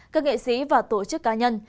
các nghệ sĩ và tổ chức cá nhân